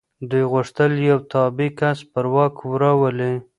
دوی غوښتل یو تابع کس پر واک راولي.